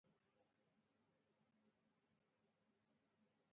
افسرانو د ډز ځای خواته وځغستل.